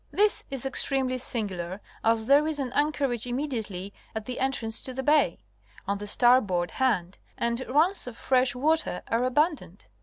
This is extremely singular, as there is an anchorage immediately at the entrance to the bay, on the starboard hand, and runs of fresh water are abundant.